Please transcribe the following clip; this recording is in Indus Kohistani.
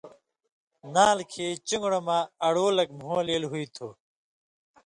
نھال کِھیں چُن٘گڑہ مہ اڑوۡ لک مُھو لیل ہُوئ تُھو۔